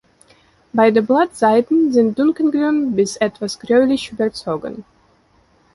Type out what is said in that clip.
Beide Blattseiten sind dunkelgrün bis etwas gräulich überzogen.